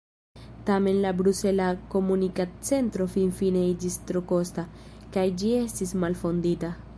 Tamen la Brusela Komunikad-Centro finfine iĝis tro kosta, kaj ĝi estis malfondita.